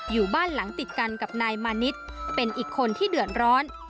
อยู่บ้านหลังติดกันกับนายมานิดเป็นอีกคนที่เดือดร้อน